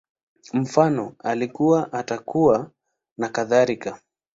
Mfano, Alikuwa, Atakuwa, nakadhalika